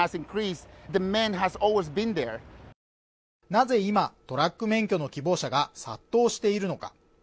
なぜ今トラック免許の希望者が殺到しているのか